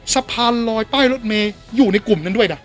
สะพานลอยป้ายรถเมย์อยู่ในกลุ่มนั้นด้วยนะ